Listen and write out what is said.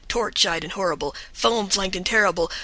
# Torch eyed and horrible, Foam flanked and terrible.